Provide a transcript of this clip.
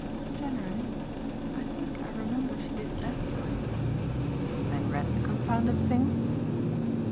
"Generally. I think I remember she did that time." "And read the confounded thing?"